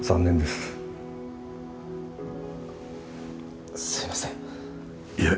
すいませんいえ